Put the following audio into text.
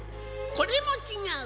これもちがう。